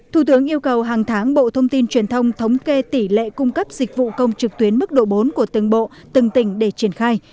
thủ tướng yêu cầu hàng tháng bộ thông tin truyền thông thống kê tỷ lệ cung cấp dịch vụ công trực tuyến mức độ bốn của từng bộ từng tỉnh để triển khai